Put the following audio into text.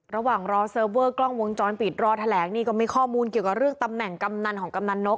ระหว่างรอเซิร์ฟเวอร์กล้องวงจรปิดรอแถลงนี่ก็มีข้อมูลเกี่ยวกับเรื่องตำแหน่งกำนันของกำนันนก